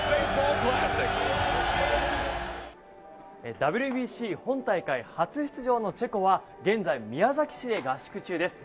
ＷＢＣ本大会初出場のチェコは現在、宮崎市で合宿中です。